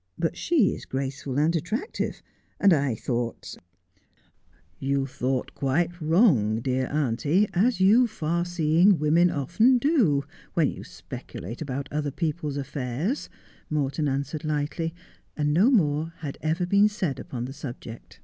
But she is graceful and attractive, and I thought '' You thought quite wrong, dear auntie, as you far seeing women often do, when you speculate about other people's affairs,' Morton answered lightly, and no more had ever been said upon the subject.